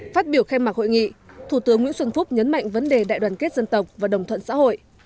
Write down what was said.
phát biểu khai mạc hội nghị thủ tướng nguyễn xuân phúc nhấn mạnh vấn đề đại đoàn kết dân tộc và đồng thuận xã hội